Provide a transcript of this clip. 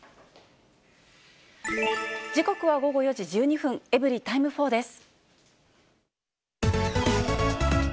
時刻は午後４時１２分、エブリィタイム４です。